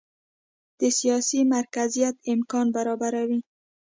د سیاسي مرکزیت امکان برابروي.